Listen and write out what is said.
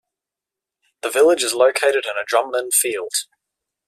The village is located in a drumlin field.